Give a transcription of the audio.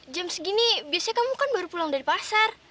jam segini biasanya kamu kan baru pulang dari pasar